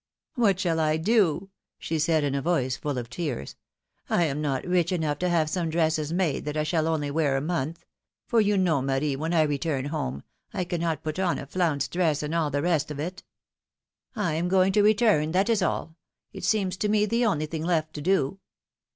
What shall I do?^^ she said, in a voice full of tears, am not rich enough to have some dresses, made that I shall only wear for a month ; for you know, Marie, when I return home, I cannot put on flounced dresses and all 206 PHILOM^iNE^S MARRIAGES. the rest of it. I am going to return, that is all ; it seems to me the only thing left to do